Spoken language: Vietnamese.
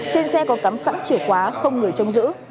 trên xe còn cắm sẵn chìa khóa không người chống giữ